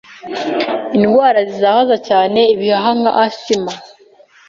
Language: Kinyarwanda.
Indwara zizahaza cyane ibihaha nka asima